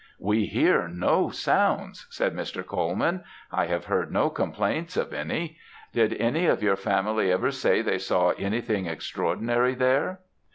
"'We hear no sounds,' said Mr. Colman. 'I have heard no complaints of any. Did any of your family ever say they saw anything extraordinary there?'